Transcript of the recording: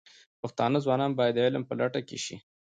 پښتانه ځوانان باید د علم په لټه کې شي.